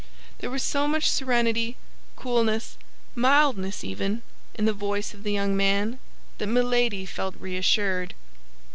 There was so much serenity, coolness, mildness even, in the voice of the young man, that Milady felt reassured.